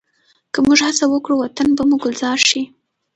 که موږ هڅه وکړو، وطن به مو ګلزار شي.